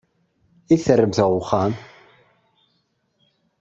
I terremt ɣer wexxam?